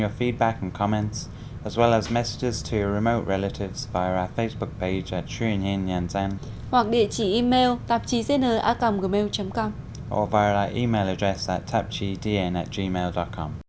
hoặc địa chỉ email tạp chí dnacomgmail com